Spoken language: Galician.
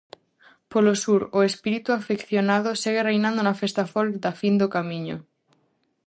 Polo sur, o espírito afeccionado segue reinando na festa folk da Fin do Camiño.